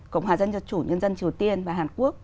cộng hòa dân dân chủ nhân dân triều tiên và hàn quốc